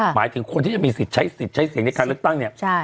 หมายถึงคนที่จะมีสิทธิ์ใช้สินในการเลือกตั้ง